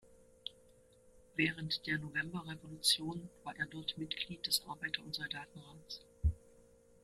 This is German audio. Während der Novemberrevolution war er dort Mitglied des Arbeiter- und Soldatenrats.